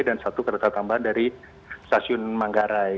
dan satu kereta tambahan dari stasiun manggarai